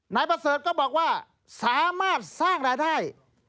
นายประเสริฐก็บอกว่าสามารถสร้างรายได้